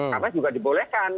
karena juga dibolehkan